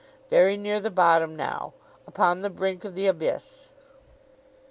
Very near the bottom now. Upon the brink of the abyss.